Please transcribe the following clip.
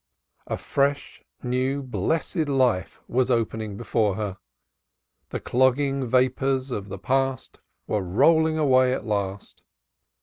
A fresh, new blessed life was opening before her. The clogging vapors of the past were rolling away at last.